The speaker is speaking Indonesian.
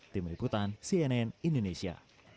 tim liputan cnn indonesia